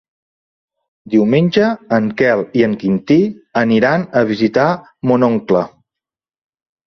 Diumenge en Quel i en Quintí aniran a visitar mon oncle.